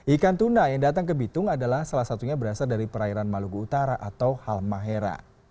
ikan tuna yang datang ke bitung adalah salah satunya berasal dari perairan maluku utara atau halmahera